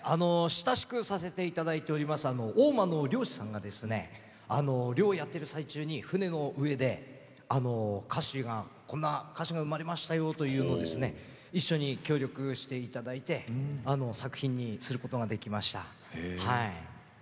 親しくさせていただいている大間のマグロ漁師さんが漁をやってるときに船の上でこんな歌詞が生まれましたよと一緒に協力していただいて作品にすることができました。